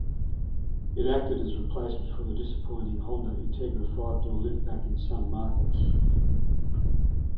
It acted as replacement for the disappointing Honda Integra five-door liftback in some markets.